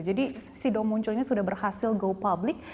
jadi sido munculnya sudah berhasil go public